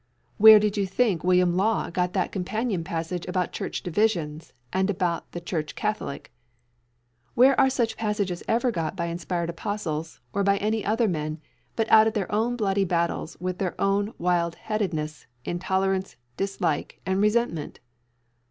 Where did you think William Law got that companion passage about Church divisions, and about the Church Catholic? Where are such passages ever got by inspired apostles, or by any other men, but out of their own bloody battles with their own wild headedness, intolerance, dislike, and resentment?